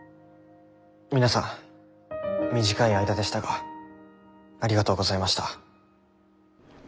皆さん短い間でしたがありがとうございました。